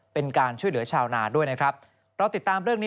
เป็นการช่วยเหลือชาวนาด้วยนะครับเราติดตามเรื่องนี้